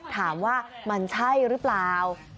ถามว่ามันใช่หรือเปล่า